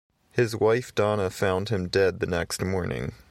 His wife Donna found him dead the next morning.